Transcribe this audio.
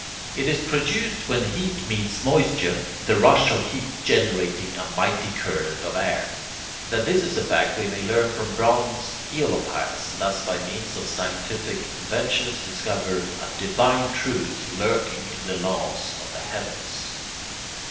It is produced when heat meets moisture, the rush of heat generating a mighty current of air. That this is the fact we may learn from bronze eolipiles, and thus by means of a scientific invention discover a divine truth lurking in the laws of the heavens.